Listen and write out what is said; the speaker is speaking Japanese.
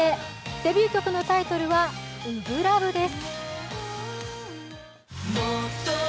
デビュー曲のタイトルは「初心ＬＯＶＥ」です。